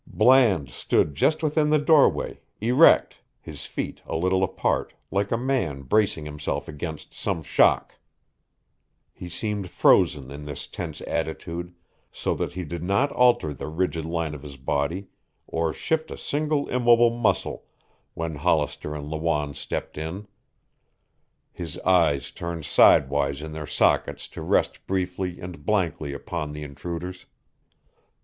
Bland stood just within the doorway, erect, his feet a little apart, like a man bracing himself against some shock. He seemed frozen in this tense attitude, so that he did not alter the rigid line of his body or shift a single immobile muscle when Hollister and Lawanne stepped in. His eyes turned sidewise in their sockets to rest briefly and blankly upon the intruders.